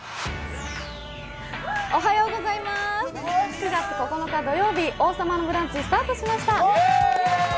９月９日土曜日、「王様のブランチ」スタートしました。